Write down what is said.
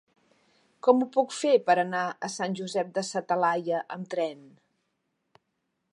Com ho puc fer per anar a Sant Josep de sa Talaia amb tren?